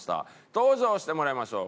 登場してもらいましょう。